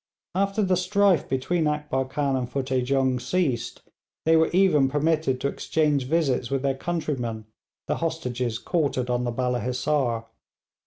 After the strife between Akbar Khan and Futteh Jung ceased they were even permitted to exchange visits with their countrymen, the hostages quartered on the Balla Hissar.